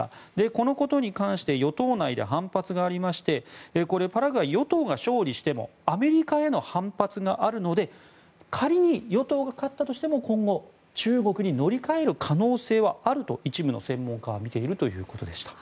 このことに関して与党内で反発がありましてパラグアイ、与党が勝利してもアメリカへの反発があるので仮に与党が勝ったとしても今後、中国に乗り換える可能性はあると一部の専門家はみているということでした。